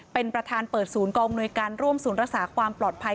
เป็นประธานเปิดศูนย์กองอำนวยการร่วมศูนย์รักษาความปลอดภัย